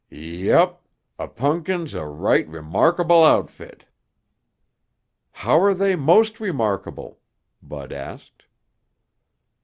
Yep. A punkin's a right remarkable outfit." "How are they most remarkable?" Bud asked.